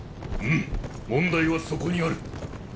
うむ問題はそこにある。